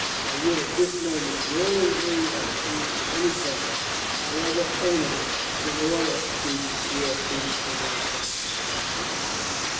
I would at this moment willingly accede to any terms, however onerous, in order to secure peace for my country."